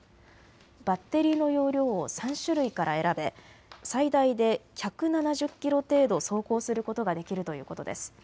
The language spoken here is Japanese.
バッテリーの容量を３種類から選べ、最大で１７０キロ程度走行することができるということです。